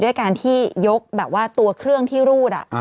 ด้วยการที่ยกแบบว่าตัวเครื่องที่รูด